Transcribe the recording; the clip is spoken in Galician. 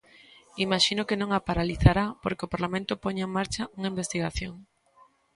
"Imaxino que non a paralizará porque o Parlamento poña en marcha unha investigación".